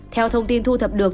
theo thông tin thu thập được